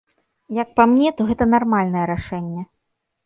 Як па мне, то гэта нармальнае рашэнне.